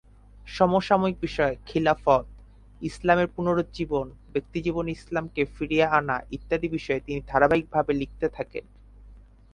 সমসাময়িক বিষয়, খিলাফত, ইসলামের পুনরুজ্জীবন, ব্যক্তিজীবনে ইসলামকে ফিরিয়ে আনা, ইত্যাদি বিষয়ে তিনি ধারাবাহিক ভাবে লিখতে থাকেন।